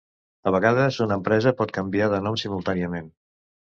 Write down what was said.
A vegades una empresa pot canviar de nom simultàniament.